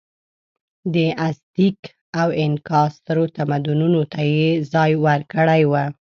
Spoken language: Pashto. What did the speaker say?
د ازتېک او اینکا سترو تمدنونو ته یې ځای ورکړی و.